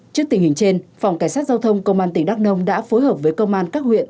trước tình hình trên phòng cảnh sát giao thông công an tỉnh đắk nông đã phối hợp với công an các huyện